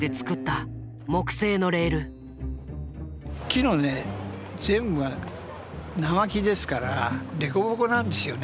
木のね全部が生木ですから凸凹なんですよね。